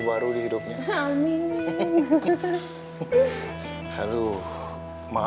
baru di hidupnya amin aduh maaf ya neng ya sepertinya prosesnya akan sedikit lebih panjang